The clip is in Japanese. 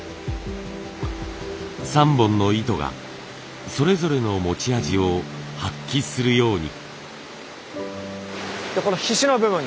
３本の糸がそれぞれの持ち味を発揮するように。